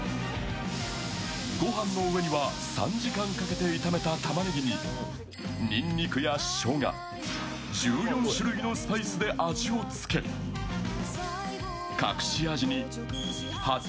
ご飯の上には３時間かけて炒めたたまねぎににんにくやしょうが、１４種類のスパイスで味をつけ隠し味に八丁